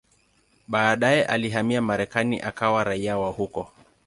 Baadaye alihamia Marekani akawa raia wa huko.